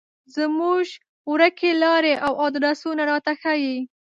زموږ ورکې لارې او ادرسونه راته ښيي.